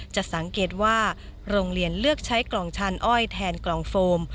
จะสังเกตว่าโรงเรียนเลือกใช้กล่องชานอ้อยแทนกล่องโฟม